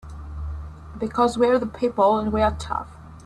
Because we're the people and we're tough!